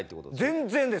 全然です。